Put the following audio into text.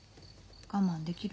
我慢できるの？